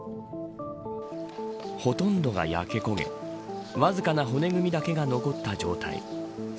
ほとんどが焼け焦げわずかな骨組みだけが残った状態。